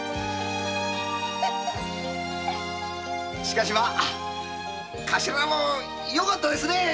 しかしまあ頭もよかったですねえ